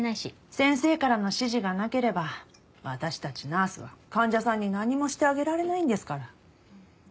先生からの指示がなければ私たちナースは患者さんに何もしてあげられないんですから。